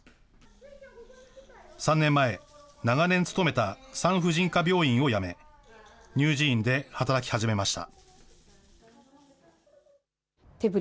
３年前、長年勤めた産婦人科病院を辞め、乳児院で働き始めました。